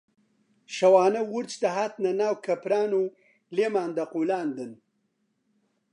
شەوانە ورچ دەهاتنە ناو کەپران و لێمان دەقوولاندن